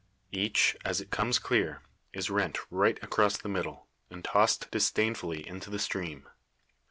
Each, as it comes clear, is rent right across the middle, and tossed disdainfully into the stream.